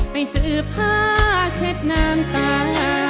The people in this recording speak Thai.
ไปซื้อผ้าเช็ดน้ำตา